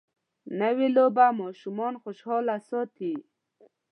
نوې لوبه ماشومان خوشحاله ساتي